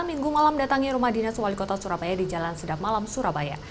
minggu malam datangi rumah dinas wali kota surabaya di jalan sedap malam surabaya